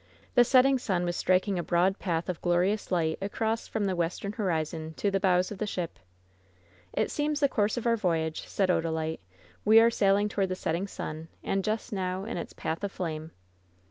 The setting sun was striking a broad path of glorious light across from the western horizon to the bows of the ship. "It seems the course of our voyage," said Odalite. 60 WHEN SHADOWS DIE ^^e are sailing toward the setting sun, and just now in its path of flame."